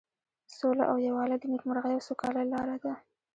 سوله او یووالی د نیکمرغۍ او سوکالۍ لاره ده.